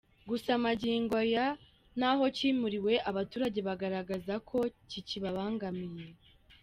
Gusa magingo aya, n’aho kimuriwe, abaturage bagaragaza ko kibabangamiye.